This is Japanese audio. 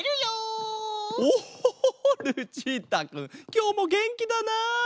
きょうもげんきだな。